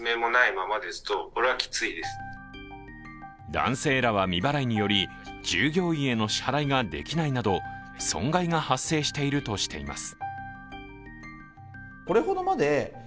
男性らは未払いにより、従業員への支払いができないなど損害が発生しているとしています。